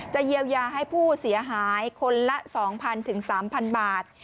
เยียวยาให้ผู้เสียหายคนละ๒๐๐๐๓๐๐บาท